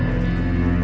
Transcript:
oke sampai jumpa